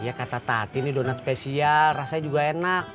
iya kata tati nih donat spesial rasanya juga enak